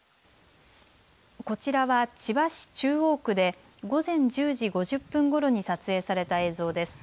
こちらは千葉市中央区で午前１０時５０分ごろに撮影された映像です。